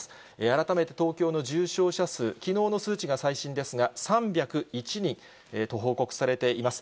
改めて東京の重症者数、きのうの数値が最新ですが、３０１人、と、報告されています。